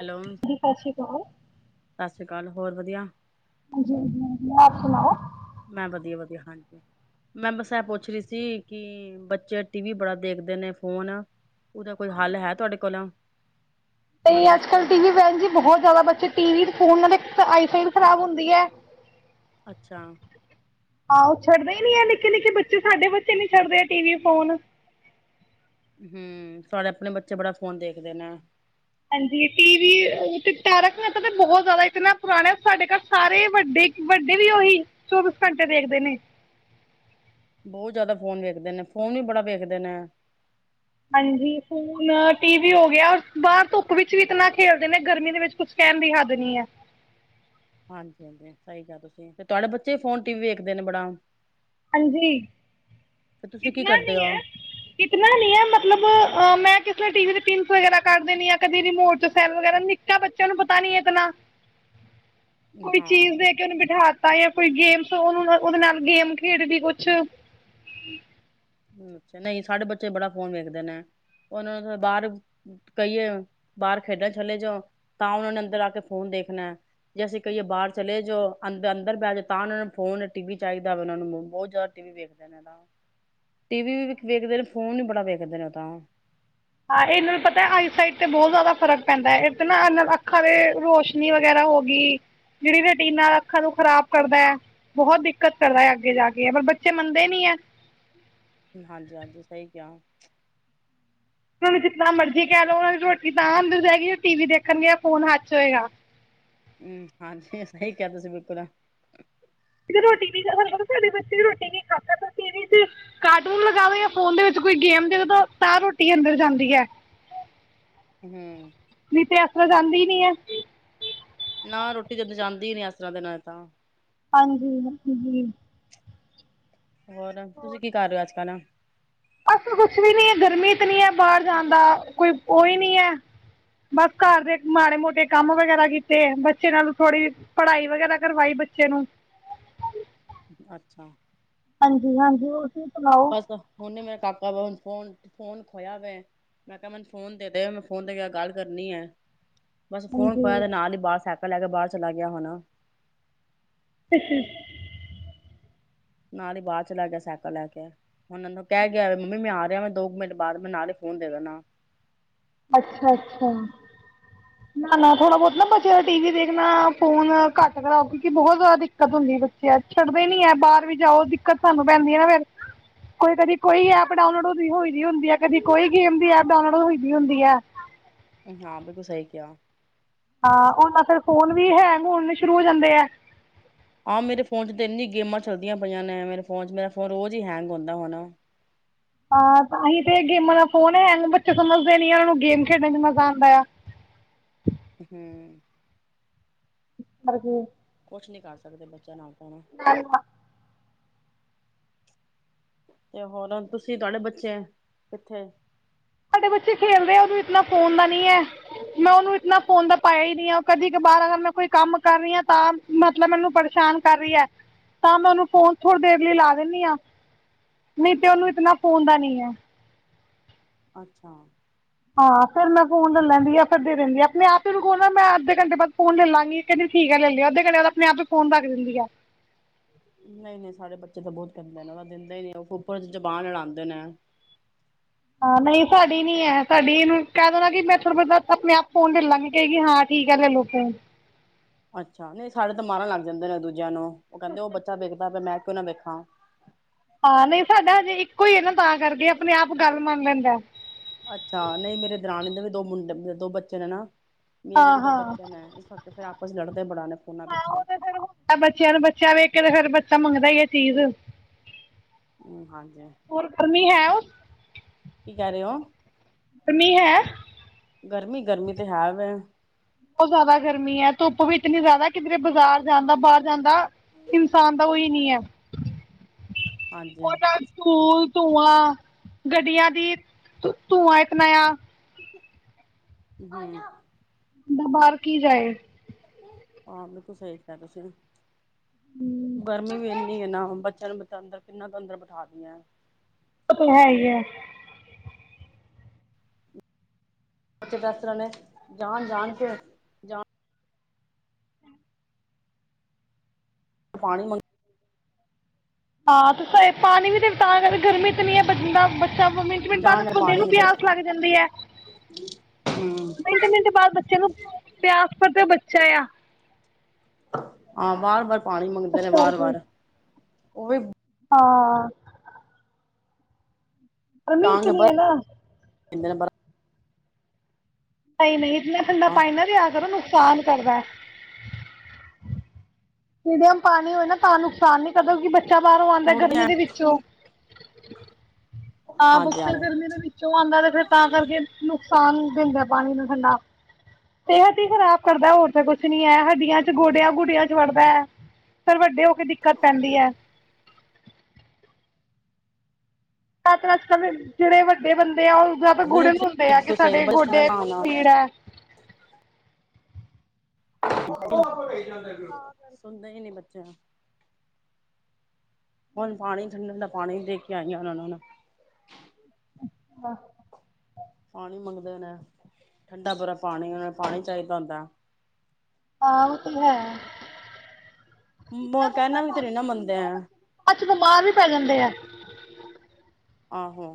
Hello ਦੀ ਸਤਿ ਸ਼੍ਰੀ ਅਕਾਲ। ਸਤਿ ਸ਼੍ਰੀ ਅਕਾਲ ਹੋਰ ਵਧੀਆ ਹਾਂਜੀ -ਹਾਂਜੀ ਹਾਂ ਆਪ ਸੁਣਾਓ। ਮੈਂ ਵਧੀਆ ਵਧੀਆ ਹਾਂਜੀ ਮੈਂ ਬਸ ਪੁੱਛ ਰਹੀ ਸੀ ਕਿ ਬੱਚੇ ਟੀ ਵੀ ਬੜਾ ਦੇਖਦੇ ਨੇ ਫੋਨ ਉਹਦਾ ਕੋਈ ਹੱਲ ਹੈ ਤੁਹਾਡੇ ਕੋਲੋਂ ਤੇ ਅੱਜ-ਕੱਲ੍ਹ ਟੀ -ਵੀ ਭੈਣ ਜੀ ਬਹੁਤ ਜ਼ਿਆਦਾ ਬੱਚੇ ਟੀ- ਵੀ ਫਿਰ ਉਹਨਾਂ ਦੇ ਆਈ ਸਾਈਡ ਖਰਾਬ ਹੁੰਦੀ ਐ। ਅੱਛਾ ਛੱਡਦੇ ਹੀ ਨੀ ਹੈ ਨਿੱਕੇ ਨਿੱਕੇ ਬੱਚੇ ਸਾਡੇ ਬੱਚੇ ਨੀ ਛੱਡਦੇ ਆ ਟੀ -ਵੀ ਫੋਨ ਹੂੰ ਸਾਡੇ ਆਪਣੇ ਬੱਚੇ ਬੜਾ ਫੋਨ ਦੇਖਦੇ ਨੇ। ਹਾਂਜੀ ਟੀ ਵੀ ਤਰਕ ਮਤਾ ਬਹੁਤ ਜ਼ਿਆਦਾ ਇ ਪੁਰਾਣਾ ਸਾਡੇ ਘਰ ਸਾਰੇ ਵੱਡੇ ਵੱਡੇ ਵੀ ਉ ਓਹੀ ਚੋਬੀਸ ਘੰਟੇ ਦੇਖਦੇ ਨੇ। ਬਹੁਤ ਜ਼ਿਆਦਾ ਫੋਨ ਵੇਖਦੇ ਨੇ ਫੋਨ ਵੀ ਬੜਾ ਵੇਖਦੇ ਨੇ। ਹਾਂਜੀ ਫੋਨ ਟੀ- ਵੀ ਹੋ ਗਿਆ ਰ ਬਾਹਰ ਧੁੱਪ ਵਿੱਚ ਵੀ ਇਤਨਾ ਖੇਲਦੇ ਨੇ ਗਰਮੀ ਦੇ ਵਿੱਚ ਕੁਛ ਕਹਿਣ ਦੀ ਹੱਦ ਨਹੀ ਐ। ਹਾਂਜੀ -ਹਾਂਜੀ ਸਹੀ ਕਿਹਾ ਤੁਸੀਂ ਤੇ ਤੁਹਾਡੇ ਬੱਚੇ ਫੋਨ ਟੀ ਵੀ ਵੇਖਦੇ ਨੇ ਬੜਾ ਹਾਂਜੀ ਤੇ ਤੁਸੀਂ ਕੀ ਕਿਤਨਾ ਕਰਦੇ ਨੀ ਹੋ ਹੈ ਕਿਤਨਾ ਨੀ ਹੈ ਮਤਲਬ ਅਹ ਮੈਂ ਕਿਸੇ ਟੀਵੀ ਚੋਂ ਪਿੰਸ ਵਗੈਰਾ ਕੱਢ ਦੇਣੀ ਕਦੇ ਰਿਮੋਟ ਸੈਲ ਵਗੈਰਾ ਨਿੱਕਾ ਬੱਚਾ ਨੂੰ ਪਤਾ ਨੀ ਇਤਨਾ ਕੋਈ ਹਾਂ ਚੀਜ਼ ਦੇ ਕੇ ਉਹਨੂੰ ਬਿਠਾਤਾ ਜਾਂ ਕੋਈ ਗੇਮ ਉਹਨੂੰ ਉਹਦੇ ਨਾਲ ਗੇਮ ਖੇਡ ਦੀ ਕੁਛ ਨਹੀਂ ਸਾਡੇ ਬੱਚੇ ਬੜਾ ਫੋਨ ਵੇਖਦੇ ਨੇ ਉਹਨਾਂ ਨੂੰ ਬਾਹਰ ਕਹੀਏ ਬਾਹਰ ਖੇਡਣ ਚੱਲੇ ਜਾਓ ਤਾਂ ਉਹਨਾਂ ਨੇ ਅੰਦਰ ਆ ਕੇ ਫ਼ੋਨ ਦੇਖਣਾ ਜੇ ਅਸੀਂ ਕਹੀਏ ਬਾਹਰ ਚਲੇ ਜਾਓ ਅੰਦਰ ਅੰਦਰ ਬਹਿ ਜਾ ਤਾਂ ਉਹਨਾਂ ਨੂੰ ਫੋਨ ਟੀ ਵੀ ਚਾਹੀਦਾ ਉਹਨਾਂ ਨੂੰ ਬਹੁਤ ਜ਼ਿਆਦਾ ਟੀ ਵੀ ਵੇਖਦੇ ਨੇ ਤਾਂ ਟੀ ਵੀ ਵੀ ਵੇਖਦੇ ਨੇ ਫੋਨ ਵੀ ਬੜਾ ਵੇਖਦੇ ਨੇ ਉਹ ਤਾਂ ਹਾਂ ਇਹਨਾਂ ਨੂੰ ਪਤਾ ਹੈ ਆਈਸਾਈਡ ਤੇ ਬਹੁਤ ਜ਼ਿਆਦਾ ਫ਼ਰਕ ਪੈਂਦਾ ਹੈ। ਇਹ ਤੇ ਨਾ ਅੱਖਾਂ ਦੇ ਰੋਸ਼ਨੀ ਵਗੈਰਾ ਹੋ ਗਈ ਜਿਹੜੀ ਰੇਟੀਨਾ ਅੱਖਾਂ ਨੂੰ ਖ਼ਰਾਬ ਕਰਦਾ ਐ ਬਹੁਤ ਦਿੱਕਤ ਕਰਦਾ ਅੱਗੇ ਜਾ ਕੇ, ਪਰ ਬੱਚੇ ਮੰਨਦੇ ਨਹੀਂ ਐ। ਹਾਂਜੀ-ਹਾਂਜੀ, ਸਹੀ ਕਿਹਾ। [inaudible] ਉਹਨਾਂ ਨੂੰ ਜਿਨਾ ਮਰਜ਼ੀ ਕਹਿ ਲਓ, ਉਹਨਾਂ ਦੀ ਰੋਟੀ ਤਾਂ ਅਂੰਦਰ ਜਾਏਗੀ ਜੇ ਟੀ ਵੀ ਦੇਖਣਗੇ ਜਾ ਫੋਨ ਹੱਥ 'ਚ ਹੋਏਗਾ। ਹੂੰ ਹਾਂਜੀ ਸਹੀ ਕਿਹਾ ਤੁਸੀਂ ਬਿਲਕੁਲ। [unintelligible] ਸਾਡੇ ਬੱਚੇ ਰੋਟੀ ਖਾਂਦੇ, ਟੀ ਵੀ ਚ ਕਾਰਟੂਨ ਲਗਾ ਦੋ ਜਾ ਫੋਨ ਦੇ ਵਿੱਚ ਕੋਈ ਗੇਮ ਦੇ ਦੋਤਾਂ ਰੋਟੀ ਅੰਦਰ ਜਾਂਦੀ ਏ। ਹਮ ਨਹੀਂ ਤੇ ਇਸ ਤਰਾਂ ਜਾਂਦੀ [unintelligible] ਹੈ। ਨਾ ਰੋਟੀ ਜੱਦ ਜਾਂਦੀ ਹੀ ਨੀ ਇਸ ਤਰ੍ਹਾਂ ਦੇ ਨਾਲ ਤਾਂ ਹਾਂਜੀ। ਹੋਰ ਤੁਸੀਂ ਕੀ ਕਰ ਰਹੇ ਹੋ, ਅੱਜ-ਕੱਲ੍ਹ। ਅਸੀਂ ਕੁਛ ਵੀ ਨੀ, ਗਰਮੀ ਇਤਨੀ ਹੈ ਬਾਹਰ ਜਾਣ ਦਾ ਕੋਈ ਓਈ ਨੀ ਹੈ ਬਸ ਘਰ ਦੇ ਮਾੜੇ-ਮੋਟੇ ਕੰਮ ਵਗੈਰਾ ਕੀਤੇ, ਬੱਚੇ ਨਾਲ ਥੋੜੀ ਪੜ੍ਹਾਈ ਵਗੈਰਾ ਕਰਵਾਈ ਬੱਚੇ ਨੂੰ। ਹਾਂਜੀ-ਹਾਂਜੀ। ਬਸ-ਬਸ, ਹੁਣੇ ਹੀ ਮੈਂ ਕਾਕਾ ਵ ਫੋਨ-ਫੋਨ ਖੋਇਆ ਵੈ, ਮੈਂ ਕਿਹਾ ਮੈਨੂੰ ਫੋਨ ਦੇ ਦੇ ਮੈਂ ਫੋਨ ਤੇ ਮੈਂ ਗੱਲ ਕਰਨੀ ਹੈ। ਬਸ ਫੋਨ ਹਾਂਜੀ ਖੋਇਆ ਨਾਲ ਹੀ ਬਾਹਰ ਸਾਇ ਕਲ ਲੈ ਕੇ ਬਾਹਰ ਚਲਾ ਗਿਆ ਹੋਣਾ। [inaudible] ਨਾਲ ਹੀ ਬਾਹਰ ਚਲਾ ਗਿਆ ਸਾਈਕਲ ਲੈ ਕੇ, ਹੁਣ ਮੈਨੂੰ ਕਹਿ ਗਿਆ ਮੰਮੀ ਮੈਂ ਆ ਰਿਹਾ ਵਾਂ ਦੋ ਕੁ ਮਿੰਟ ਬਾਅਦ ਮੈਂ, ਨਾਲ ਹੀ ਫੋਨ ਦੇ ਦੇਣਾ। ਅੱਛਾ-ਅੱਛਾ, ਨਾ-ਨਾ ਥੋੜਾ ਬਹੁਤ ਨਾ ਬੱਚੇ ਦਾ ਟੀ ਵੀ ਦੇਖਣਾ, ਫੋਨ ਘੱਟ ਕਰਾਓ ਕਿਉਂਕਿ ਬਹੁਤ ਜਾਦਾ ਦਿੱਕਤ ਹੁੰਦੀ ਏ ਬੱਚਿਆਂ ਚ, ਛੱਡਦੇ ਨੀ ਹੈ ਬਾਹਰ ਵੀ ਜਾਓ ਦਿੱਕਤ ਸਾਨੂੰ ਪੈਂਦੀ ਹੈ ਨਾ ਫੇਰ ਕਦੇ ਕੋਈ ਐਪ ਡਾਊਨਲੋਡ ਹੋਈ ਹੁੰਦੀ ਹੈ ਕਦੀ ਕੋਈ ਗੇਮ ਦੀ ਐਪ ਡਾਨਲੋਡ ਹੋਈ ਹੁੰਦੀ ਆ। ਹਾਂ, ਬਿਲਕੁਲ ਸਹੀ ਕਿਹਾ। ਹਾਂ ਹੁਣ ਬਸ ਫਿਰ ਫੋਨ ਵੀ ਹੈਂਗ ਹੁਣੇ ਸ਼ੁਰੂ ਹੋ ਜਾਂਦੇ ਆ। ਆਹ ਮੇਰੇ ਫੋਨ ਚ ਤੇ ਇਨਿਆ ਗੇਮਾਂ ਚੱਲਦੀਆਂ ਪਈਆਂ ਨੇ ਮੇਰੇ ਫੋਨ ਚ, ਮੇਰਾ ਫੋਨ ਰੋਜ਼ ਹੀ ਹੈਂਗ ਹੁੰਦਾ ਹੁਣ। ਹਾਂ ਤਾਂ ਅਸੀਂ ਤੇ ਗੇਮਾਂ ਦਾ ਫੋਨ ਹੈਂਗ ਬੱਚੇ ਸਮਝਦੇ ਨੀ ਏ ਉਹਨਾਂ ਨੂੰ ਗੇਮ ਖੇਡਣ ਚ ਮਜ਼ਾ ਆਉਂਦਾ ਆ। ਹੰਮ। ਕਰਕੇ ਕੁ ਨਹੀਂ ਕਰ ਸਕਦੇ ਬੱਚਿਆਂ ਨਾਲ ਤਾਂ ਤੇ ਹੋਰ ਤੁਸੀਂ ਤੁਹਾਡੇ ਬੱਚੇ, ਕਿੱਥੇ। ਸਾਡੇ ਬੱਚੇ ਖੇਲਦੇ ਹੈ ਉਨੂੰ ਇਤਨਾ ਫੋਨ ਦਾ ਨਹੀਂ ਹੈ, ਮੈਂ ਉਹਨੂੰ ਇਤਨਾ ਫੋਨ ਦਾ ਪਾਇਆ ਹੀ ਨਹੀਂ ਹੈ, ਕਦੀ ਕਬਾਰ ਮੈਂ ਕੋਈ ਕੰਮ ਕਰ ਰਹੀ ਹਾਂ ਤਾਂ ਮਤਲਬ ਮੈਂ ਉਹਨੂੰ ਪਰੇਸ਼ਾਨ ਕਰ ਰਹੀ ਹੈ ਤਾਂ ਮੈਂ ਨੂੰ ਫੋਨ ਥੋੜੀ ਦੇਰ ਲਈ ਲਾ ਦਿੰਦੀ ਹਾਂ, ਨਹੀਂ ਤੇ ਉਹਨੂੰ ਇਤਨਾ ਫੋਨ ਦਾ ਨੀ ਹੈ। ਅੱਛਾ। ਹਾਂ ਫਿਰ ਮੈਂ ਫੋਨ ਲੈ ਲੈਂਦੀ ਆ ਫਿਰ ਦੇ ਦਿੰਦੀ ਆ, ਆਪਣੇ-ਆਪ ਹੀ ੳਨੂੰ ਕਹੋ ਨਾ ਮੈਂ ਅੱਧੇ ਘੰਟੇ ਬਾਅਦ ਫੋਨ ਲੈ ਲਵਾਂਗੀ, ਕਹਿੰਦੀ ਠੀਕ ਹੈ ਲੈ ਲਿਓ ਅੱਧੇੰ ਘੰਟੇ ਬਾਦ ਆਪਣੇ-ਆਪ ਹੀ ਫੋਨ ਰੱਖ ਦਿੰਦੀ ਹੈ। ਨਹੀਂ-ਨਹੀਂ, ਸਾਡੇ ਬੱਚੇ ਤਾਂ ਬਹੁਤ ਗੰਦੇ ਨੇ ਉਹ ਦਾ ਦਿੰਦੇ ਹੀ ਨਹੀਂ ਉੱਪਰ ਤੋ ਜਬਾਨ ਲੜਾਉਂਦੇ ਨੇ। ਹਾਂ ਨਹੀਂ ਸਾਡੀ ਨੀ ਹੈ, ਸਾਡੀ ਇਹਨੂੰ ਕਹਿ ਦੋਣਾ ਕਿ ਮੈਂ ਥੋੜੀ ਦੇਰ ਬਾਦ ਆਪਣੇ-ਆਪ ਫੋਨ ਲੇ ਲਾਂਗੀ ਕਹੇਗੀ ਕਿ ਹਾਂ ਠੀਕ ਹੈ ਲੈ ਲੋ ਫੋਨ। ਅੱਛਾ, ਨਹੀਂ ਸਾਡੇ ਤਾਂ ਮਾਰਨ ਲੱਗ ਜਾਂਦੇ ਨੇ ਦੂਜਿਆਂ ਨੂੰ। ਉਹ ਕਹਿੰਦੇ ਉਹ ਬੱਚਾ ਵੇਖਦਾ ਪਿਆ ਮੈਂ ਕਿਊ ਨਾ ਵੇਖਾਂ। ਹਾਂ ਨਹੀਂ, ਸਾਡਾ ਹਜੇ ਇੱਕੋ ਹੀ ਹੈ ਨਾ ਤਾਂ ਕਰਕੇ ਆਪਣੇ-ਆਪ ਗੱਲ ਮੰਨ ਲੈਂਦਾ ਹੈ। ਅੱਛਾ, ਨਹੀਂ ਮੇਰੀ ਦਰਾਣੀ ਦੇ ਵੀ ਦੋ ਮੁੰਡੇ ਦੋ ਬੱਚੇ ਨੇ ਨਾ ਮੇਰੇ ਹਾਂ ਵੀ ਦੋ ਹਾਂ ਬੱਚੇ ਨੇ ਇਸ ਕਰਕੇ ਫਿਰ ਆਪਸ ਲੜਦੇ ਬੜਾ ਨੇ ਫੋਨਾਂ ਹਾਂ ਉਹ ਪਿੱਛੇ। ਤੇ ਫਿਰ ਹੁੰਦਾ ਬੱਚਿਆਂ ਨੂੰ ਬੱਚਾ ਵੇਖ ਕੇ ਤੇ ਫਿਰ ਬੱਚਾ ਮੰਗਦਾ ਹੀ ਏ ਚੀਜ਼। ਹੂੰ ਹਾਂਜੀ ਹੋਰ ਗਰਮੀ ਹੈ ਉਹ ਕੀ ਕਰ ਰਹੇ ਔ। ਗਰਮੀ ਹੈ ਗਰਮੀ, ਗਰਮੀ ਤੇ ਹੈ ਵੇ। ਬੋਤ ਜੈਦਾ ਗਰਮੀ ਐ, ਧੁੱਪ ਵੀ ਇਤਨੀ ਜੈਦਾ। ਕਿਧਰੇ ਬਾਜ਼ਾਰ ਜਾਂਨ ਦਾ ਬਾਰ ਜਾਨ ਦਾ ਇਨਸਾਨ ਦਾ ਉਹੀ ਨ੍ਹੀ ਹੈ। ਹਾਂਜੀ ਔਰ ਐ ਧੁਲ ਧੂੰਆਂ, ਗੱਡੀਆਂ ਦੀ ਧ ਧੂੰਆਂ ਇਤਨਾ ਆ। ਹੂੰ। ਬੰਦਾ ਬਾਰ ਕੀ ਜਾਏ। ਹਾਂ, ਬਿਕੁਲ ਸਹੀ ਕਿਆ ਤੁਸੀਂ ਵੀ। ਹਮ ਗਰਮੀ ਵੀ ਏਨ ਨੀ ਏਨਾ ਬੱਚਿਆਂ ਨੂੰ ਮੈਂ ਕਿਆ ਅੰਦਰ ਕਿੰਨਾ ਕ ਅੰਦਰ ਬਿਠਾ ਦੀਐ। ਓਹ ਤੇ ਹੈ ਈ ਐ। ਬੱਚੇ ਤੇ ਏਸ ਤਰਾਂ ਨੇ ਜਾਣ ਜਾਣ ਕੇ ਜਾਣ ਪਾਣੀ ਮੰ ਹਾਂ ਤੇ ਸਈ ਪਾਣੀ ਵੀ ਦੇ ਤਾਂ ਕਰ ਗਰਮੀ ਇਤਨੀ ਐ ਬੰਦਾ ਬੱਚਾ ਮਿੰਟ ਮਿੰਟ ਜਾ ਬਾਦ ਜਾ ਬੰਦੇ ਪਾਣੀ ਨੂੰ ਮੰਗਦੇ ਪਿਆਸ ਲੱਗ ਜਾਂਦੀ ਐ। ਹੂੰ ਮਿੰਟ ਮਿੰਟ ਬਾਦ ਬੱਚੇ ਨੂੰ ਪਿਆਸ ਪਤੈ ਬਚ ਚਯਾ। ਆਹ ਬਾਰ ਬਾ ਪਾਣੀ ਮੰਗਦੇ ਨੇ ਵਾਰ ਕਰਕੇ ਵਾਰ। ਓਹ ਵੀ ਹਾਂ। ਗਮੀ ਡਾਂਗ ਇਤਨੀ ਬਰਫ ਹੈ ਨਾ। [unintelligible] ਨਹੀਂ-ਨਹੀਂ। ਇੰਨਾ ਠੰਡਾ ਬਰਫ ਪਾਈ ਨਾ ਦਿਆ ਕਰੋ ਉਹਨੂੰ। ਸਾਨ ਕਰਦਾ ਐ। ਮਿਡੀਯਮ ਪਾਣੀ ਹੋਏ ਨਾ ਤਾਂ ਨੁਕਸਾ ਨੀ ਕਰਦਾ ਕਿਉਂਕਿ ਬ ਚਾ ਬਾਹਰੋਂ ਆਂਦਾ ਐ ਮੁੜਦੇ ਗਰਮੀ ਆ ਦੇ ਵਿੱਚੋਂ। ਹਾਂ ਹਾਂਜੀ ਬੱਚੇ ਹਾਂਜੀ ਗਰਮੀ ਦੇ ਵਿੱਚੋਂ ਆਂਦਾ ਤੇ ਫੇਰ ਤਾਂ ਕਰਕੇ ਨੁਕ ਸਾਨ ਦਿੰਦਾ ਐ ਪਾਣੀ ਨੂੰ ਠੰਡਾ। ਪੇਟ ਈ ਖਰਾਬ ਕਰਦਾ ਐ ਹੋਰ ਤੇ ਕੁਛ ਨੀ ਹੈ, ਹੱਡੀਆਂ ਚ ਗੋਡਿਆਂ ਗੁਡਿਆਂ ਚ ਵੜਦਾ ਐ ਫੇਰ ਵੱਡੇ ਹੋ ਕੇ ਦਿੱਕਤ ਪੈਂਦੀ ਐ। ਤਾਂ ਤੇ ਅੱਜ-ਕੱਲ ਜੇੜੇ ਵੱਡੇ ਬੰਦ ਦੇ ਆ ਉਹ ਜ ਤਾਂ ਗੁੜਨ ਹੁੰਦੇ ਆ ਕਿ ਸਾਡੇ ਗੋਡੇ ਪੀੜ ਐ। [unintelligible] ਸੁਣਦੇ ਈ ਨੀ ਬੱਚ ਜਾ ਹੁਣ ਪਾਣੀ ਠੰਡਾ-ਠੰਡਾ ਪਾਣੀ ਦੇ ਕੇ ਆਈ ਆਂ ਉਹਨਾਂ ਨੂੰ ਹੁਣ। ਬਸ। ਪਾਣੀ ਮੰਗਦੇ ਨੇ ਠੰਡਾ ਬਰਫ ਪਾਣੀ ਉਹਨਾਂ ਨੇ ਪਾਣੀ ਚਾਹੀਦਾ ਹੁੰਦਾ। ਹਾਂ, ਓਹ ਤੇ ਹੈ। ਮ ਕਹਿਣਾ ਵੀ ਤੇ ਨਹੀ ਨਾ ਮੰਨਦੇ ਐ। ਅੱਛਾ ਬਿਮਾਰ ਵੀ ਪੈ ਜਾਂਦੇ ਆ ਆਹੋ।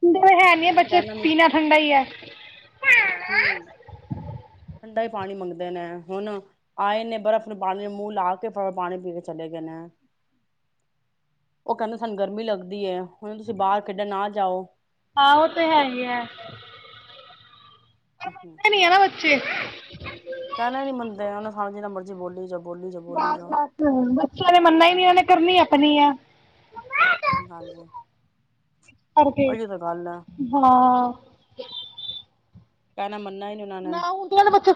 ਸੁਨਦੇ ਹੈ ਨਹੀਂ ਹੈ ਇਹਨਾਂ ਨੇ ਬੱਚੇ, ਕਹਿਣਾ ਵੀ ਪੀਨਾ ਠੰਡਾ ਹੀ ਹੈ। ਹੂੰ, ਠੰਡਾ ਹੀ ਪਾਣੀ ਮੰਗਦੇ ਨੇ, ਹੁਣ ਆਏ ਨੇ ਬਰਫ਼ ਨੂੰ ਪਾਣੀ ਮੂੰਹ ਲਾ ਕੇ ਫਟਾਫਟ ਪਾਣੀ ਪੀ ਕੇ ਚਲੇ ਗਏ ਨੇ, ਉਹ ਕਹਿੰਦੇ ਸਾਨੂੰ ਗਰਮੀ ਲੱਗਦੀ ਐ। ਹੁਣ ਤੁਸੀਂ ਬਾਹਰ ਖੇਡਣ ਨਾ ਜਾਓ। ਹਾਂ ਉਹ ਤੇ ਹੈ ਹੀ ਹੈ ਹ ਛੇ ਕਹਿਣਾ ਨੀ ਮੰਨਦੇ ਉਹਨੇ ਸਾਨੂੰ ਜਿਨਾ ਮਰਜ਼ੀ ਬੋਲੀ ਜਾੳ। ਬਸ ਬਸ ਬੱਚਿਆਂ ਨੇ ਮੰਨਾ ਨੀ ਉਹਨੇ ਕਰਨੀ ਅਪਣੀ ਆ। ਹਾਂਜੀ, ਕਰਕੇ ਉਹੀ ਹੀ ਤਾਂ ਗੱਲ ਆ। ਹਾਂ [inaudible] ਕਹਿਣਾ ਮ ਨਾ ਹੀ ਉਹਨਾਂ ਨੇ। [unintelligible]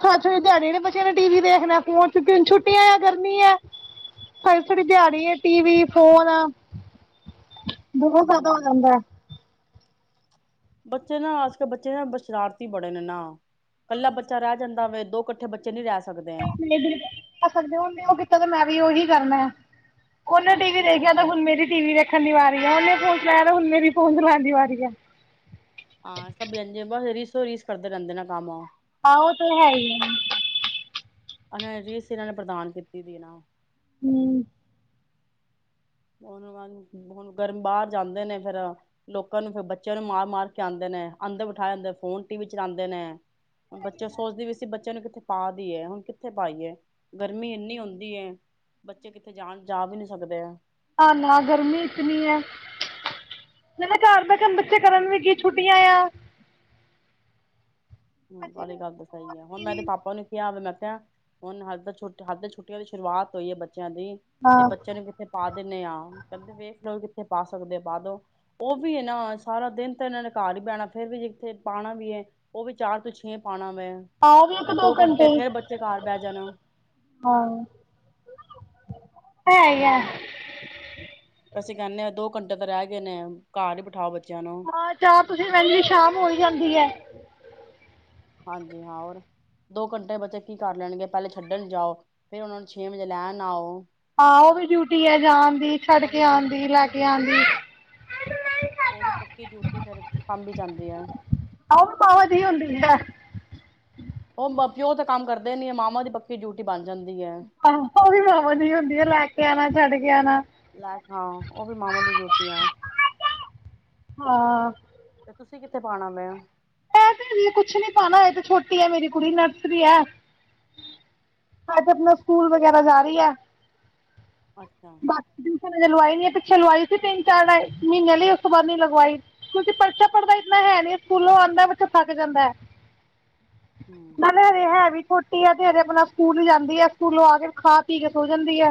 ਸਾਰੇ- ਸਾਰੇ ਦਿਹਾੜੀ ਨੇ ਬੱਚਿਆਂ ਨੇ ਟੀ ਵੀ ਦੇਖਣਾ, ਫੋਨ ਛੁੱਟਿਆਂ ਆ ਗਰਮੀ ਹੈ। ਸਾਰੀ- ਸਾਰੀ ਦਿਹਾੜੀ ਆ, ਟੀਵੀ ਫੋਨ ਆ। ਬਹੁਤ ਜਿਆਦਾ ਹੋ ਹੂੰ ਜਾਂਦਾ ਹੈ। ਬੱਚੇ ਨਾ ਅੱਜ ਦੇ ਬੱਚੇ ਨਾ ਸ਼ਰਾਰਤੀ ਬੜੇ ਨੇ ਨਾ। ਇਕੱਲਾ ਬੱਚਾ ਰਹਿ ਜਾਂਦਾ ਵੇ। ਦੋ ਇਕੱਠੇ ਬੱਚੇ ਨਹੀਂ ਰਹ ਸਕ ਸਕਦੇ ਉਹ ਕੀਤਾ ਤਾਂ ਮੈਂ ਵੀ ਉਹੀ ਕਰਨਾ ਆ। ਉਹਨੇ ਹਾਂ ਟੀ ਵੀ ਬਿਲਕੁਲ ਸਹੀ ਦੇਖਿਆ ਤੇ ਕਿਹਾ। ਹੁਣ ਮੇਰੀ ਟੀ ਵੀ ਵੇਖਣ ਦੀ ਵਾਰੀ ਆ ਉਹਨੇ ਫੋਣ ਮੈਂ ਤਾਂ ਹੁਣ ਮੇਰੀ ਫੋਨ ਲੈਨ ਦੀ ਵਾਰੀ ਐ। ਹਾਂ ਸਬ ਇਂਜੇ ਬਸ ਰੀਸੋ ਰੀਸ ਕਰਦੇ ਰਹਿੰਦੇ ਨੇ ਕੰਮ ਔ। ਆਹ ਉਹ ਤੇ ਹੈ ਹੀ ਆ। ੳਹਨਾ ਨੇ ਰੀਸ ਇਹਨਾਂ ਨੇ ਪ੍ਰਦਾਨ ਕੀਤੀ ਦੀ ਨਾ। ਹਮ। ਹ ਹੁਣ ਗਰਮ ਬਾਹਰ ਜਾਂਦੇ ਨੇ, ਫੇਿਰ ਲੋਕਾਂ ਨੂੰ ਫਿਰ ਬੱਚਿਆਂ ਨੂੰ ਮਾਰ- ਮਾਰ ਕੇ ਆਉਂਦੇ ਨੇ, ਅੰਦਰ ਬਿਠਾ ਅੰਦਰ ਫੋਨ ਟੀ ਵੀ ਚਲਾਉਂਦੇ ਨੇ। ਬੱਚਾ ਸੋਚਦੇ ਵੀ ਸੀ ਬੱਚਿਆਂ ਨੂੰ ਕਿੱਥੇ ਪਾ ਦੀ ਹੈ, ਹੁਣ ਕਿੱਥੇ ਪਾਈ ਹੈ। ਗਰਮੀ ਇੰਨੀ ਹੁੰਦੀ ਹੈ। ਬੱਚੇ ਕਿੱਥੇ ਜਾਣ ਜਾ ਵੀ ਨੀ ਸਕਦੇ ਆ। ਨਾ -ਨਾ ਗਰਮੀ ਇਤਨੀ ਹੈ। ਨਾਲੇ ਘਰ ਬੈਂ ਕੇ ਹੁਨ ਬੱਚੇ ਕਰਨ ਵੀ ਕੀ। ਛੁੱਟਿਆਂ ਆਏ। ਹਮ, ਵਾਲੀ ਗੱਲ ਤਾਂ ਸਹੀ ਹੈ, ਹੁਣ ਮੈਂ ਇਦੇ ਪਾਪਾ ਨੂੰ ਕਿਹਾ ਮੈਂ ਹੁਣ ਹਜੇ ਤੇ ਛੁੱਟਿਆਂ ਦੀ ਸ਼ੁਰੂਆਤ ਹੋਈ ਹੈ ਬੱਚ ਬੱਚਿਆਂ ਦੀ ਤੇ ਹਾਂ ਬੱਚਿਆਂ ਨੂੰ ਕਿੱਥੇ ਪਾ ਦਿੰਦੇੇ ਆ। ਕਹਿੰਦੇ ਵੇਖ ਲਓ। ਥੇ ਪਾ ਸਕਦੇ ਪਾ ਦੋ। ਉਹ ਵੀ ਇਹ ਨਾ ਸਾਰਾ ਦਿਨ ਤਾਂ ਇਹਨਾਂ ਨੇ ਘਰ ਹੀ ਰਹਿਣਾ ਫੇਰ ਵੀ ਜਿੱਥੇ ਪਾਉਣਾ ਵੀ ਹੈ ਉਹ ਵੀ ਚਾਰ ਤੋਂ ਛੇ ਪਾਉਣਾ। ਆਓ ਵੀ ਇੱਕ ਫ ਦੋ ਘੰਟੇ ਹੀ ਫੇਰ ਬੱਚੇ ਘਰ ਬਹਿ ਜਾਣਾ। ਹਾਂ ਹੈ ਹੀ ਹੈ ਹੋਰ ਵੈਸੇ ਕਹਿੰਦੇ ਆ ਦੋ ਘੰਟੇ ਤਾਂ ਰਹਿ ਗਏ ਨੇ, ਘਰ ਹੀ ਬਿਠਾਓ ਬੱਚੇ ਹਾਂ [inaudible] ਤੁਸੀਂ ਰਹਿੰਦੇ ਸ਼ਾਮ ਹੋਈ ਜਾਂਦੀ ਹੈ। [unintelligible] ਹਾਂਜੀ ਹਾਂ ਹੋਰ ਦੋ ਘੰਟੇ ਬੱਚੇ ਕੀ ਕਰ ਲੈਣਗੇ, ਪਹਿਲੇ ਛੱਡਣ ਜਾਓ ਫੇਰ ਉਹਨਾ ਨੂੰ ਛੇ ਵਜੇ ਲੈਣ ਆਓ। ਹਾਂ, ਉਹ ਵੀ ਡਿਊਟੀ ਹੈ ਜਾ ਦੀ ਛੱਡ ਉਹ ਕੇ ਵੀ ਆਣ ਡਿਊਟੀ ਦੀ ਲੈ ਪੱਕੀ ਕੇ ਆਣ ਡਿਊਟੀ ਦੀ ਐ। ਜਾਂਦੇ ਆ ਆਹੋ, ਮਾਵਾ ਦੀ ਹੁੰਦੀ ਹੈ ਉਹ ਪਿਓ ਤੇ ਕੰਮ ਕਰਦੇ ਨੀ, ਹੈ ਮਾਵਾਂ ਦੀ ਪੱਕੀ ਡਿਊਟੀ ਬਣਦੀ ਆਹੋ ਉਹ ਵੀ ਮਾਵਾ ਹੁੰਦੀ, ਆ ਲੈ ਕੇ ਲਿਆਣਾ, ਛੱਡ ਕੇ ਆਉਣਾ ਲੈਕੇ ਹਾਂ ਉਹ ਵੀ ਮਾਵਾ ਦੀ ਡਿਊਟੀ ਐ ਹਾਂ ਤੁਸੀਂ ਕਿੱਥੇ ਪਾਉਣਾ ਵੇ ਐ ਕੁਛ ਨੀ ਪਾਣਾ ਇਹ ਤੇ ਛੋਟੀ ਹੈ ਮੇਰੀ ਕੁੜੀ ਨਰਸਰੀ ਹੈ ਅੱਜ ਆਪਣਾ ਸਕੂਲ ਵਗੈਰਾ ਜਾ ਰਹੀ ਹੈ। ਅੱਛਾ ਬਾਕੀ ਟਿਊਸ਼ਨ ਲਵਾਈ ਨੀ ਪਿੱਛੇ ਲਵਾਈ ਸੀ ਤਿੰਨ ਚਾਰ ਮਹੀਨਿਆਂ ਲਈ ਉਸ ਤੋਂ ਬਾਅਦ ਨੀ ਲਗਵਾਈ ਕਿਉਂਕਿ ਬੱਚਾ ਪੜ੍ਹਦਾ ਇੰਨਾ ਹੈ ਨੀ, ਸਕੂਲੋਂ ਆਉਂਦਾ ਬਾ ਥੱਕ ਜਾਂਦਾ ਹੈ। ਹਮ ਨਾਲੇ ਹਜੇ ਹੈਵੀ ਛੋਟੀ ਤੇ ਹੇ ਆਪਣਾ ਸਕੂਲ ਜਾਂਦੀ ਆ ਸਕੂਲੋ ਆ ਕੇ ਖਾ ਪੀ ਕੇ ਸੋ ਜਾਂਦੀ ਹੈ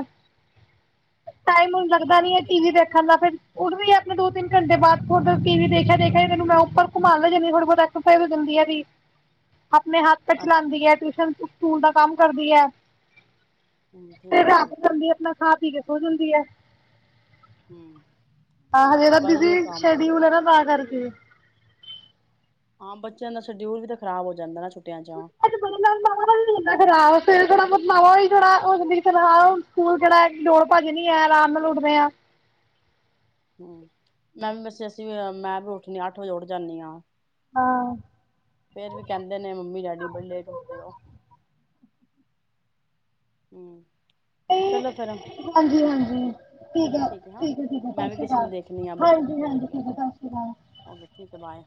ਟਾਈਮ ਹਣ ਲੱਗਦਾ ਹਾਂ ਨੀ ਹੈ ਟੀ ਠੀਕ ਵੀ ਆ ਦੇਖਣ ਦਾ ਫਿਰ ਉੱਠਦੀ ਹੈ। ਮ ਦੋ ਤਿੰਨ ਘੰਟ ਬਾਅਦ ਟੀ ਵੀ ਦੇਖਿਆ ਦੇਖਿਆ ਇਹਨੂੰ ਮੈਂ ਉੱਪਰ ਘੁੰਮਣ ਲੈਂਦੀ ਥੋੜੀ ਬਹੁਤ ਹੀ ਐਕਸਰਸਾਈਜ਼ ਹੋ ਜਾਂਦੀ ਹੈ। ਇਹ ਦੀ ਆਪਣੇ ਹੱਕ ਚ ਅੱਛਾ ਲਉਂਦੀ ਹੈ। ਟਿਊਸ਼ਨ ਤੇ ਸਕੂਲ ਦਾ ਕੰਮ ਕਰਦੀ ਹੈ। ਹਮ ਤੇ ਠੀਕ ਹੈ ਰਾਤ ਠੀਕ ਹੈ ਪੈਂਦੀ ਆਪਣਾ ਖਾ ਪੀ ਕੇ ਸੋ ਜਾਂਦੀ ਹੈ ਹੂੰ ਆਹੋ ਜੇ ਤਾਂ ਬਿਜੀ ਸ਼ਡਿਊਲ ਹੈ ਨਾ, ਤਾਂ ਕਰਕੇ ਹੂੰ ਹਾਂ ਬੱਚਿਆਂ ਦਾ ਸ਼ਡਿਊਲ ਵੀ ਤਾਂ ਖਰਾਬ ਹੋ ਜਾਂਦਾ ਨਾ ਛੁੱਟੀਆਂ ਚ ਜ ਮੇਰੇ ਹਿਸਾਬ ਨਾਲ ਮਹੀਨਾ ਇਨਾ ਖਰਾਬ ਫਿਰ ਥੋੜਾ ਬਦਲਾਵਾਂ ਵੀ ਥੋੜਾ ਹਦੀ ਫਹ ਸਕੂਲ ਜਿਹੜਾ ਲੋੜ ਭੱਜ ਨੀ ਹੈ ਆਰਾਮ ਨਾਲ ਉੱਠਦੇ ਆ ਹਮ ਮੈਂ ਵੀ ਵੈਸੇ ਅਸੀਂ ਮੈਂ ਵੀ ਉੱਠਣੀ ਅੱਠ ਵਜੇ ਉੱਠ ਜਾਂਦੀ ਹਾਂ ਹਾਂ ਫੇਰ ਵੀ ਕਹਿੰਦੇ ਨੇ ਮੰਮੀ ਡੈਡੀ ਬੜੇ ਲੈਟ ਉਠਦੇ ਹੋ ਹੂੰ ਚਲੋ ਫੇਿਰ, ਹਾਂਜੀ ਹਾਂਜੀ ਚਲੋ ਠੀਕ ਹੈ, ਹ ਠੀਕ ਹੈ ਸਤਿ ਮੈਂ ਵੀ ਸ਼੍ਰੀ ਕਿਸੇ ਨੂੰ ਅਕਾਲ ਦੇਖਣੀ ਆ ਬੱਚੇ ਹਾਂਜੀ ਬੱਚੇ ਵੇਖ ਹਾਂਜੀ ਲਿਓ ਠੀਕ ਹੈ ਸਤਿ ਸ਼੍ਰੀ ਅਕਾਲ ਠੀਕ ਹੈ ਬਾਏ